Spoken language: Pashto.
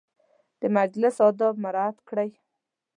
د مجلس اداب مراعت کړئ